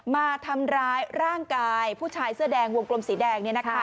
มาทำร้ายร่างกายผู้ชายเสื้อแดงวงกลมสีแดง